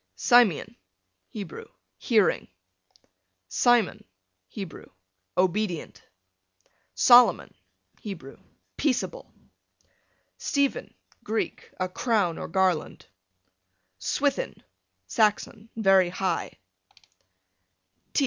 Simeon, Hebrew, hearing. Simon, Hebrew, obedient. Solomon, Hebrew, peaceable. Stephen, Greek, a crown or garland. Swithin, Saxon, very high.